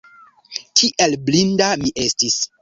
Kiel blinda mi estis!